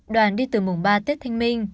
đoàn đi từ mùng ba tết thanh minh